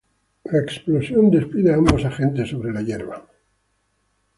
La explosión despide a ambos agentes sobre la hierba.